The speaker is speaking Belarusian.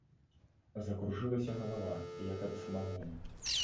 Закружылася галава, як ад самагону.